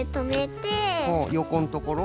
よこんところ？